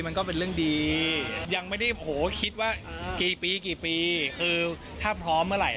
มันก็เป็นเรื่องดียังไม่ได้โหคิดว่ากี่ปีกี่ปีคือถ้าพร้อมเมื่อไหร่